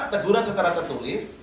teguran secara tertulis